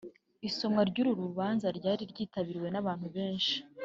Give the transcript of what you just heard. Isomwa ry’urubanza ryari ryitabiriwe n’abantu benshi